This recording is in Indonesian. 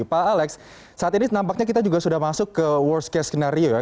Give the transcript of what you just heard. pak alex saat ini nampaknya kita juga sudah masuk ke worst case skenario ya